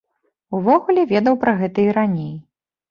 Увогуле ведаў пра гэта і раней.